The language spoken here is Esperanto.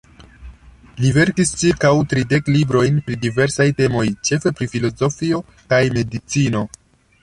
Li verkis ĉirkaŭ tridek librojn pri diversaj temoj, ĉefe pri filozofio kaj medicino.